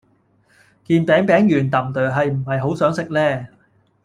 件餅餅圓氹朵係唔係好想食呢